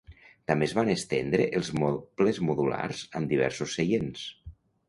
També es van estendre els mobles modulars amb diversos seients.